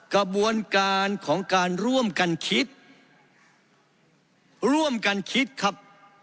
กระบวนการของการร่วมกันคิดร่วมกันคิดครับ